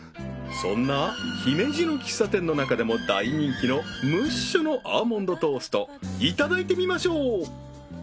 そんな姫路の喫茶店の中でも大人気のムッシュのアーモンドトーストいただいてみましょう！